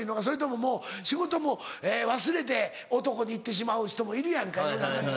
それとももう仕事も忘れて男に行ってしまう人もいるやんか。